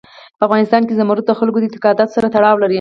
په افغانستان کې زمرد د خلکو د اعتقاداتو سره تړاو لري.